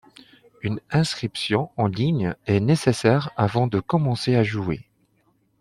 Une inscription en ligne est nécessaire avant de commencer à jouer.